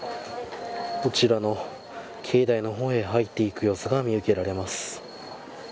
こちらの境内の方へ入っていく様子が見受けられます。